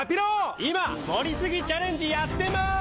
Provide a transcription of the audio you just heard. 今、盛りすぎチャレンジやってます！